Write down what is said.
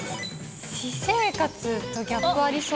私生活とギャップありそう？